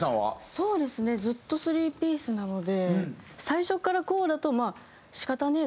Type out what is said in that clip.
そうですねずっと３ピースなので最初からこうだとまあ仕方ねえかみたいな。